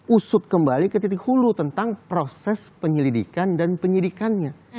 usut kembali ke titik hulu tentang proses penyelidikan dan penyidikannya